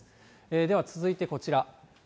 では、続いてこちら。